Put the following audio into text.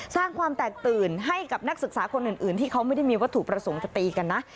สร้างความแตกตื่นให้กับนักศึกษาคนอื่นที่เขาไม่ได้มีวัตถุประสงค์จะตีกันนะ